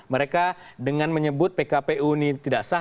mereka dengan menyebut pkpu ini tidak sah